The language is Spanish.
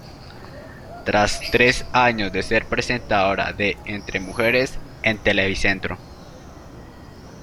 Tras tres años de ser presentadora de "Entre mujeres" en Televicentro.